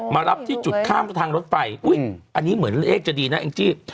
มารับที่จุดข้ามทางรถไฟอุ้ยอันนี้เหมือนเลขจะดีนะแองจี้